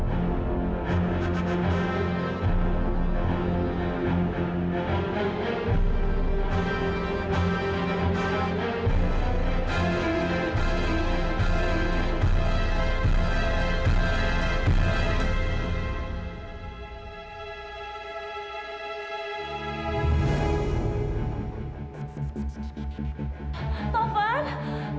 anak saya kemana susara